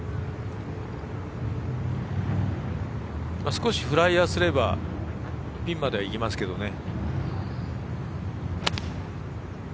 少しフライヤーすればピンまでは行きますけどね。